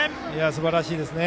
すばらしいですね。